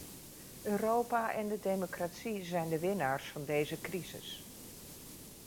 Europa en de democratie zijn de winnaars van deze crisis.